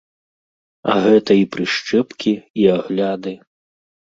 А гэта і прышчэпкі, і агляды.